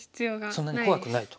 そんなに怖くないと。